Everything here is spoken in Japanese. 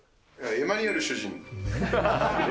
エマニエル主人？